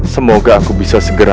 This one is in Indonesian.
semoga aku bisa segera